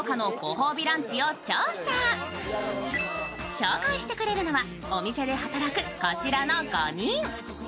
紹介してくれるのはお店で働くこちらの５人。